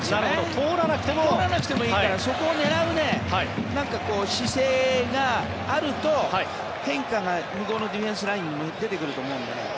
通らなくてもいいからそこを狙う姿勢があると変化が向こうのディフェンスラインに出てくると思うので。